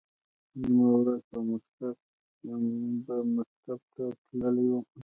نیمه ورځ به مکتب ته تلم.